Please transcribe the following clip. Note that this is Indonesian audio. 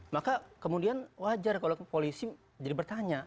maka kemudian wajar kalau polisi jadi bertanya